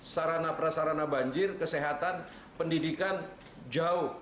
sarana prasarana banjir kesehatan pendidikan jauh